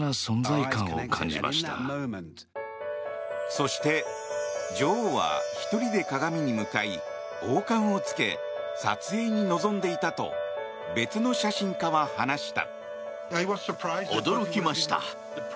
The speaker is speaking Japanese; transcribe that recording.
そして女王は１人で鏡に向かい王冠を着け撮影に臨んでいたと別の写真家は話した。